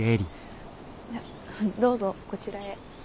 どうぞこちらへ。